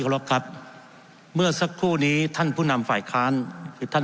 รบครับเมื่อสักครู่นี้ท่านผู้นำฝ่ายค้านคือท่าน